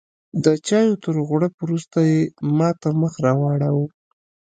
د چایو تر غوړپ وروسته یې ماته مخ راواړوه.